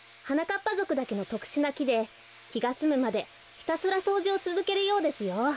はなかっぱぞくだけのとくしゅなきできがすむまでひたすらそうじをつづけるようですよ。